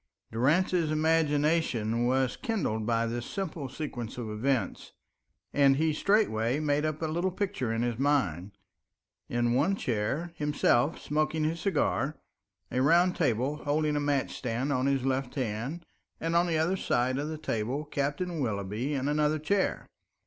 Durrance's imagination was kindled by this simple sequence of events, and he straightway made up a little picture in his mind. In one chair himself smoking his cigar, a round table holding a match stand on his left hand, and on the other side of the table Captain Willoughby in another chair.